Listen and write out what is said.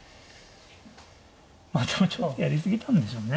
まあでもちょっとやり過ぎたんでしょうね。